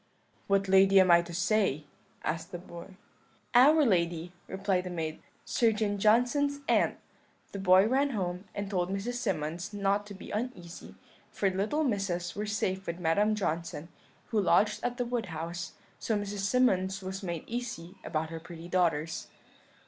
"'What lady am I to say?' asked the boy. "'Our lady,' replied the maid; 'Surgeon Johnson's aunt.' "The boy ran home, and told Mrs. Symonds not to be uneasy, for the little Misses were safe with Madam Johnson, who lodged at the Wood House; so Mrs. Symonds was made easy about her pretty daughters.